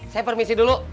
saya permisi dulu